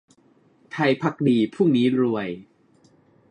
ไทยภักดีพรุ่งนี้รวย